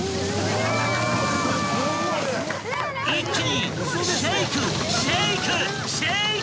［一気に］